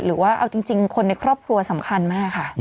หรือว่าเอาจริงคนในครอบครัวสำคัญมากค่ะ